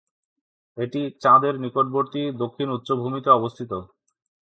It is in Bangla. এটি চাঁদের নিকটবর্তী দক্ষিণ উচ্চভূমিতে অবস্থিত।